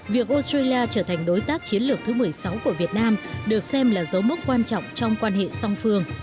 việc australia trở thành đối tác chiến lược thứ một mươi sáu của việt nam được xem là dấu mốc quan trọng trong quan hệ song phương